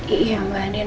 iya mbak adin